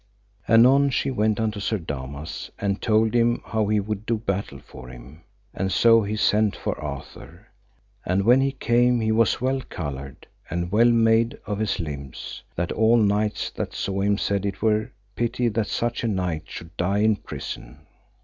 Anon she went unto Sir Damas, and told him how he would do battle for him, and so he sent for Arthur. And when he came he was well coloured, and well made of his limbs, that all knights that saw him said it were pity that such a knight should die in prison.